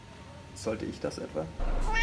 Sollte ich das etwa?